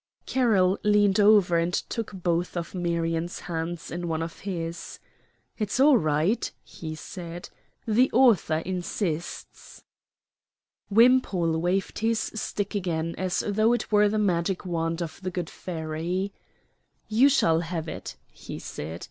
Carroll leaned over and took both of Marion's hands in one of his. "It's all right," he said; "the author insists." Wimpole waved his stick again as though it were the magic wand of the good fairy. "You shall have it," he said.